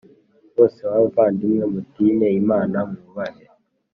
wose w abavandimwe mutinye Imana mwubahe